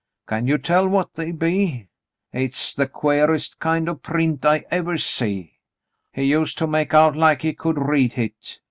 Can you tell what they be ? Hit's the quarest kind of print I evah see. He used to make out like he could read hit.